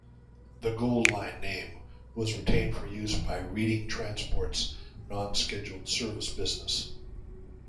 The Goldline name was retained for use by Reading Transport's non-scheduled service business.